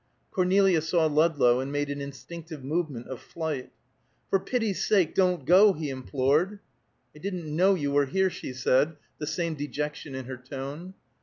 Cornelia saw Ludlow, and made an instinctive movement of flight. "For pity's sake, don't go!" he implored. "I didn't know you were here," she said, the same dejection in her tone.